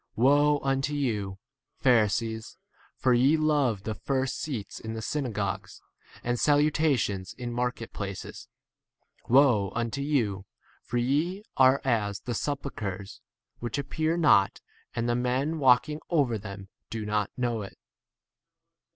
Woe unto you, Pharisees, for ye love the first seats in the synagogues and salu 44 tations in market places. Woe unto you, ff for ye are as the sepul chres which appear not, and the men walking over them do not 45 know it.